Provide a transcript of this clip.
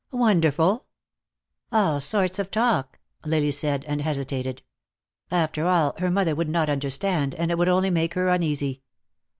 "Wonderful?" "All sorts of talk," Lily said, and hesitated. After all, her mother would not understand, and it would only make her uneasy.